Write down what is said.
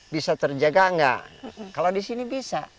bisa terjaga nggak kalau di sini bisa